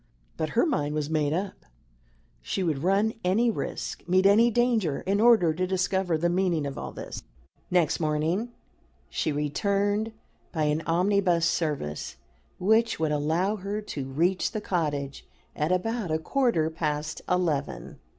But her mind was made up she would run any risk, meet any danger, in order to discover the meaning of all this. Next morning she returned by an omnibus service which would allow her to reach the cottage at about a quarter past eleven.